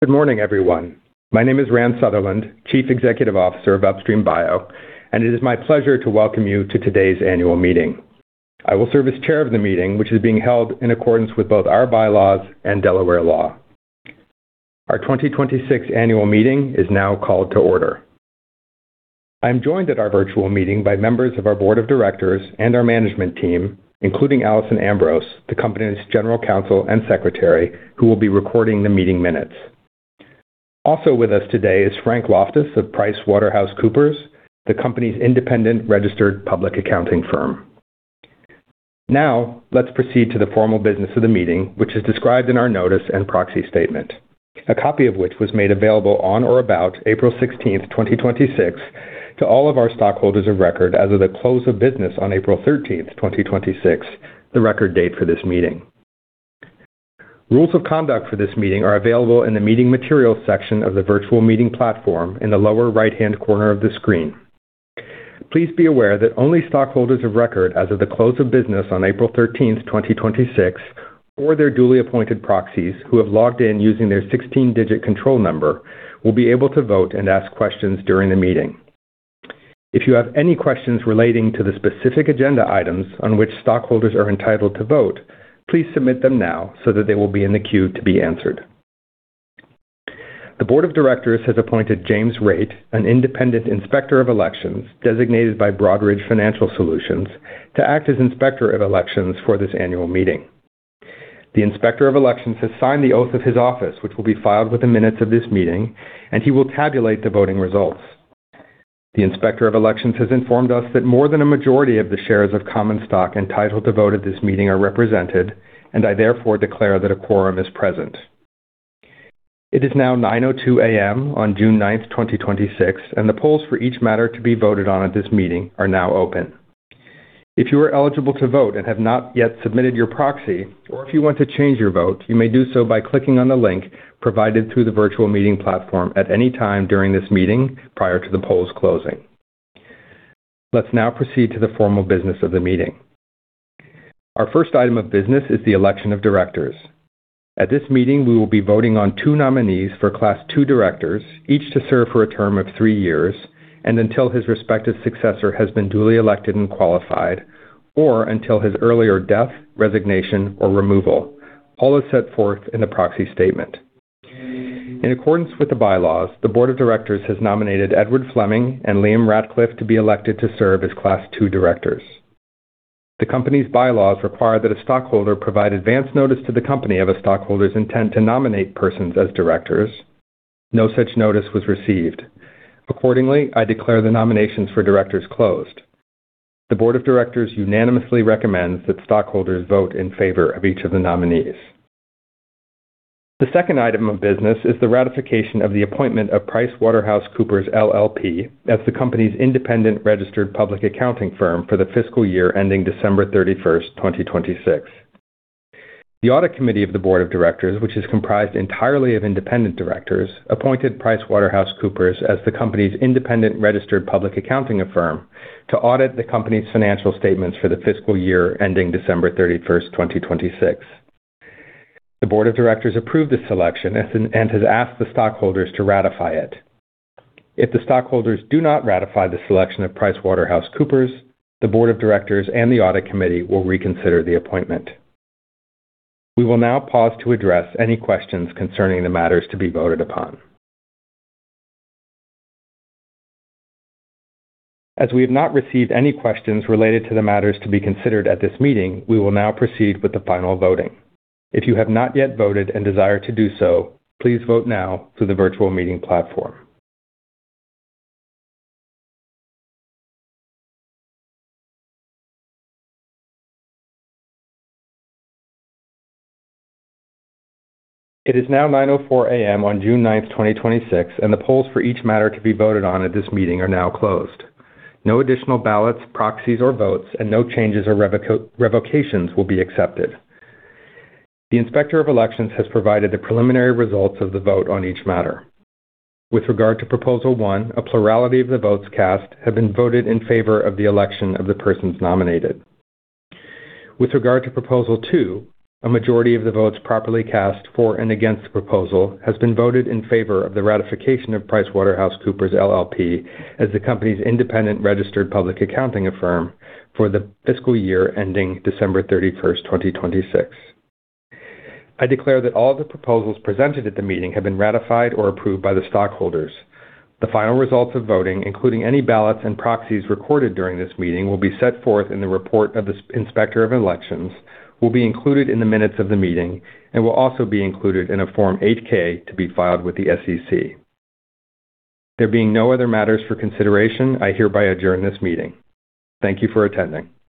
Good morning, everyone. My name is Rand Sutherland, Chief Executive Officer of Upstream Bio, and it is my pleasure to welcome you to today's annual meeting. I will serve as chair of the meeting, which is being held in accordance with both our bylaws and Delaware law. Our 2026 annual meeting is now called to order. I'm joined at our virtual meeting by members of our board of directors and our management team, including Allison Ambrose, the company's General Counsel and Secretary, who will be recording the meeting minutes. Also with us today is Frank Loftus of PricewaterhouseCoopers, the company's independent registered public accounting firm. Let's proceed to the formal business of the meeting, which is described in our notice and proxy statement, a copy of which was made available on or about April 16th, 2026 to all of our stockholders of record as of the close of business on April 13th, 2026, the record date for this meeting. Rules of conduct for this meeting are available in the Meeting Materials section of the virtual meeting platform in the lower right-hand corner of the screen. Please be aware that only stockholders of record as of the close of business on April 13th, 2026, or their duly appointed proxies who have logged in using their 16-digit control number will be able to vote and ask questions during the meeting. If you have any questions relating to the specific agenda items on which stockholders are entitled to vote, please submit them now so that they will be in the queue to be answered. The board of directors has appointed James Rate, an independent inspector of elections, designated by Broadridge Financial Solutions, to act as inspector of elections for this annual meeting. The inspector of elections has signed the oath of his office, which will be filed with the minutes of this meeting. He will tabulate the voting results. The inspector of elections has informed us that more than a majority of the shares of common stock entitled to vote at this meeting are represented. I therefore declare that a quorum is present. It is now 9:02 A.M. on June 9th, 2026. The polls for each matter to be voted on at this meeting are now open. If you are eligible to vote and have not yet submitted your proxy, or if you want to change your vote, you may do so by clicking on the link provided through the virtual meeting platform at any time during this meeting prior to the polls closing. Let's now proceed to the formal business of the meeting. Our first item of business is the election of directors. At this meeting, we will be voting on two nominees for Class II directors, each to serve for a term of three years and until his respective successor has been duly elected and qualified, or until his earlier death, resignation, or removal. All is set forth in the proxy statement. In accordance with the bylaws, the board of directors has nominated Edd Fleming and Liam Ratcliffe to be elected to serve as Class II directors. The company's bylaws require that a stockholder provide advance notice to the company of a stockholder's intent to nominate persons as directors. No such notice was received. Accordingly, I declare the nominations for directors closed. The board of directors unanimously recommends that stockholders vote in favor of each of the nominees. The second item of business is the ratification of the appointment of PricewaterhouseCoopers LLP as the company's independent registered public accounting firm for the fiscal year ending December 31st, 2026. The audit committee of the board of directors, which is comprised entirely of independent directors, appointed PricewaterhouseCoopers as the company's independent registered public accounting firm to audit the company's financial statements for the fiscal year ending December 31st, 2026. The board of directors approved this selection and has asked the stockholders to ratify it. If the stockholders do not ratify the selection of PricewaterhouseCoopers, the board of directors and the audit committee will reconsider the appointment. We will now pause to address any questions concerning the matters to be voted upon. As we have not received any questions related to the matters to be considered at this meeting, we will now proceed with the final voting. If you have not yet voted and desire to do so, please vote now through the virtual meeting platform. It is now 9:04 A.M. on June 9th, 2026. The polls for each matter to be voted on at this meeting are now closed. No additional ballots, proxies, or votes, no changes or revocations will be accepted. The inspector of elections has provided the preliminary results of the vote on each matter. With regard to Proposal 1, a plurality of the votes cast have been voted in favor of the election of the persons nominated. With regard to Proposal 2, a majority of the votes properly cast for and against the proposal has been voted in favor of the ratification of PricewaterhouseCoopers LLP as the company's independent registered public accounting firm for the fiscal year ending December 31st, 2026. I declare that all the proposals presented at the meeting have been ratified or approved by the stockholders. The final results of voting, including any ballots and proxies recorded during this meeting, will be set forth in the report of this inspector of elections, will be included in the minutes of the meeting, and will also be included in a Form 8-K to be filed with the SEC. There being no other matters for consideration, I hereby adjourn this meeting. Thank you for attending.